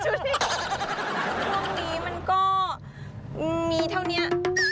ตอนนี้มันก็มีเท่าเนี่ย